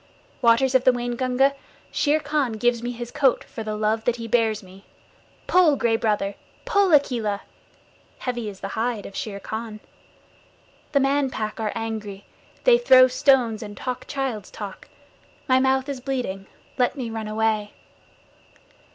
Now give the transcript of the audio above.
Waters of the Waingunga, Shere Khan gives me his coat for the love that he bears me. Pull, Gray Brother! Pull, Akela! Heavy is the hide of Shere Khan. The Man Pack are angry. They throw stones and talk child's talk. My mouth is bleeding. Let me run away.